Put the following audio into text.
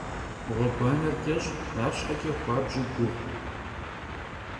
Ğueguaner ç'eş't, arşheç'e xuabju guğut.